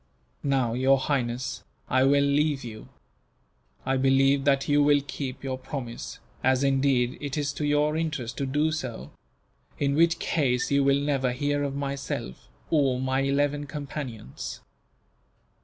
"Now, Your Highness, I will leave you. I believe that you will keep your promise, as indeed it is to your interest to do so; in which case you will never hear of myself, or my eleven companions."